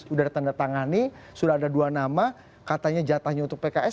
sudah ada tanda tangani sudah ada dua nama katanya jatahnya untuk pks